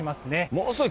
ものすごい